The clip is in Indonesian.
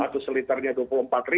atau seliternya rp dua puluh empat